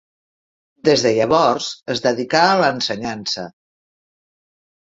Des de llavors es dedicà a l'ensenyança.